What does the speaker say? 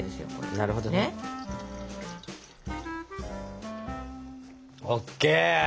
なるほどね。ＯＫ。